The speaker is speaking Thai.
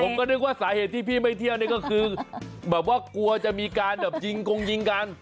ผมก็นึกว่าสาเหตุที่พี่ไม่เที่ยวนี่ก็คือแบบว่ากลัวจะมีการแบบยิงกงยิงกัน